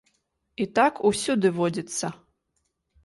І так усюды водзіцца.